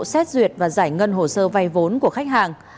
xét duyệt và giải ngân hồ sơ vay vốn của khách hàng